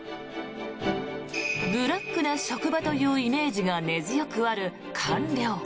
ブラックな職場というイメージが根強くある官僚。